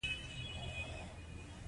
یوه لار دا وه چې غلامانو به کورنۍ جوړولې.